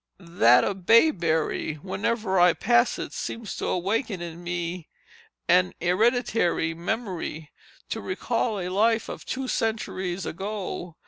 That of bayberry, whenever I pass it, seems to awaken in me an hereditary memory, to recall a life of two centuries ago.